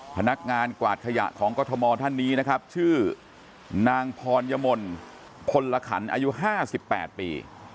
พนักงานกวาดขยะของกรทมท่านนี้นะครับชื่อนางพรยมลพลขันอายุ๕๘ปี